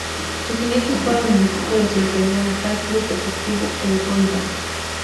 Sus inicios fueron en el equipo de su localidad natal, Club Deportivo Elgoibar.